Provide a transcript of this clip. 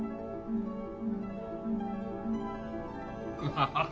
ハハハ。